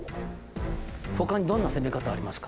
他にどんな攻め方ありますか？